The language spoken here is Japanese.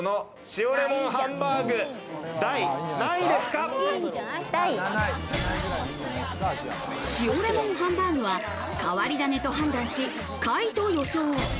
塩レモンハンバーグは変わり種と判断し、下位と予想。